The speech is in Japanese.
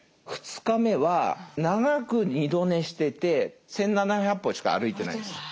２日目は長く２度寝してて１，７００歩しか歩いてないんです。